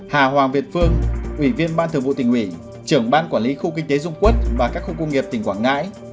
hà hoàng việt phương ủy viên ban thường vụ tỉnh ủy trưởng ban quản lý khu kinh tế dung quốc và các khu công nghiệp tỉnh quảng ngãi